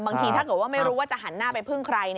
ถ้าเกิดว่าไม่รู้ว่าจะหันหน้าไปพึ่งใคร